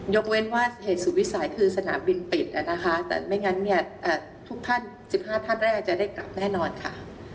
เว้นว่าเหตุสุดวิสัยคือสนามบินปิดนะคะแต่ไม่งั้นเนี่ยทุกท่าน๑๕ท่านแรกจะได้กลับแน่นอนค่ะ